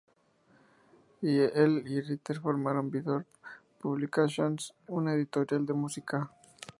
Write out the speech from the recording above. Él y Ritter formaron Vidor Publications, una editorial de música.